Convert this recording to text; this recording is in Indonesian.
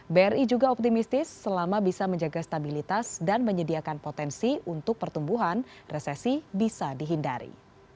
bri juga optimistis selama bisa menjaga stabilitas dan menyediakan potensi untuk pertumbuhan resesi bisa dihindari